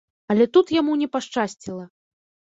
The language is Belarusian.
Але тут яму не пашчасціла.